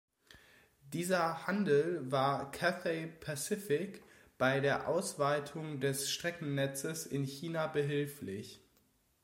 Dieser Handel war Cathay Pacific bei der Ausweitung des Streckennetzes in China behilflich.